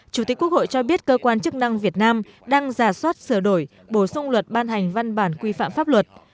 chủ tịch quốc hội cho biết cơ quan chức năng việt nam đang giả soát sửa đổi bổ sung luật ban hành văn bản quy phạm pháp luật